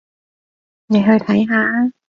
你去睇下吖